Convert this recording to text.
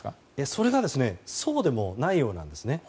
それがそうでもないようなんですね。